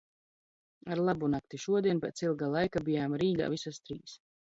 Ar labu nakti. Šodien pēc ilga laika bijām Rīgā visas trīs.